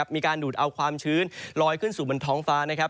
มีการดูดเอาความชื้นลอยขึ้นสู่บนท้องฟ้านะครับ